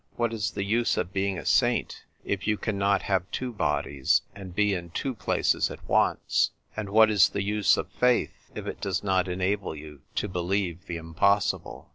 " What is the use of being a saint if you cannot have two bodies, and be in two places at once ? And what is the use of faith if it does not enable you to believe the impossible?"